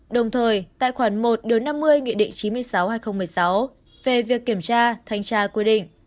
đồng thời tại khoản một năm mươi nghị định chín mươi sáu hai nghìn một mươi sáu về việc kiểm tra thanh tra quy định